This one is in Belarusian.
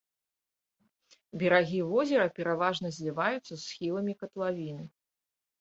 Берагі возера пераважна зліваюцца з схіламі катлавіны.